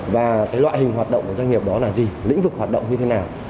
và cái loại hình hoạt động của doanh nghiệp đó là gì lĩnh vực hoạt động như thế nào